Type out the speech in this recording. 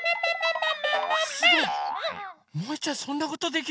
すごい！